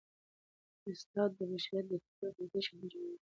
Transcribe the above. استاد د بشریت د فکري او اخلاقي شخصیت جوړوونکی دی.